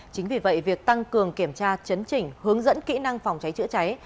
chính vì vậy việc tăng cường kiểm tra chấn chỉnh hướng dẫn kỹ năng phòng cháy chữa cháy